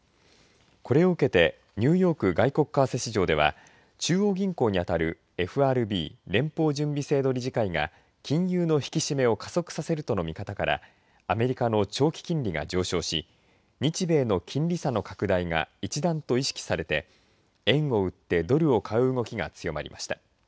これを受けてニューヨーク外国為替市場では中央銀行に当たるＦＲＢ、連邦準備制度理事会が金融の引き締めを加速させるとの見方からアメリカの長期金利が上昇し日米の金利差の拡大が一段と意識されて円を売ってドルを買う動きが強まりました。